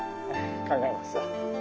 考えます。